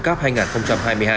cộng cấp hai nghìn hai mươi hai